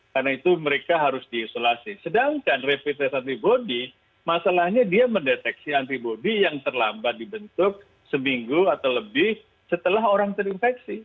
karena itu mereka harus diisolasi sedangkan rapid test antibody masalahnya dia mendeteksi antibody yang terlambat dibentuk seminggu atau lebih setelah orang terinfeksi